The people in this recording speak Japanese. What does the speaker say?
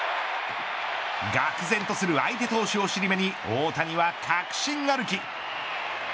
がく然とする相手投手を尻目に大谷は確信歩き。